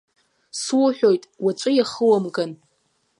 Суҳәоит, уаҵәы иахумган!